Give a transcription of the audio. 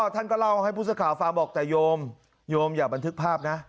ท่านก็เล่าให้ผู้สื่อข่าวฟังบอกแต่โยมโยมอย่าบันทึกภาพนะ